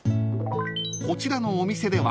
［こちらのお店では］